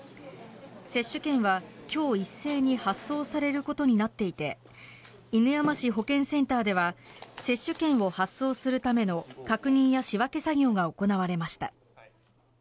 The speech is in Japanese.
接種券は今日一斉に発送されることになっていて犬山市保健センターでは接種券を発送するための確認や仕分け作業が行われました。